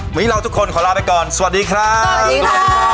วันนี้เราทุกคนขอลาไปก่อนสวัสดีครับ